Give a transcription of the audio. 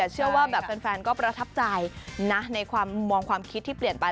เชื่อว่าแบบแฟนก็ประทับใจนะในความมองความคิดที่เปลี่ยนไป